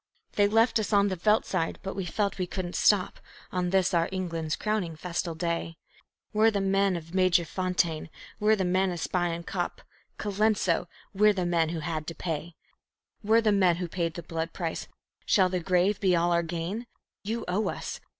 "They left us on the veldt side, but we felt we couldn't stop On this, our England's crowning festal day; We're the men of Magersfontein, we're the men of Spion Kop, Colenso we're the men who had to pay. We're the men who paid the blood price. Shall the grave be all our gain? You owe us.